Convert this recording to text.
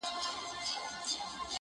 د نوک ځواب په سوک ورکول